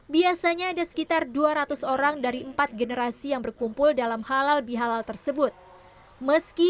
biasanya ada sekitar dua ratus orang dari empat generasi yang berkumpul dalam halal bihalal tersebut meski